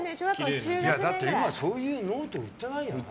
今そういうノート売ってない。